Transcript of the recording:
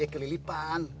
ya cacingan ya kelilipan